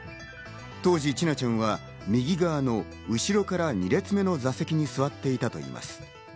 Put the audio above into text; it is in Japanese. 当時、千奈ちゃんは右側の後ろから２列目の座席に座っていたといいます。